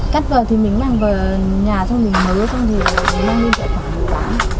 cắt vờ thì mình mang về nhà xong mình nấu xong thì mình nấu lên khoảng một mươi tám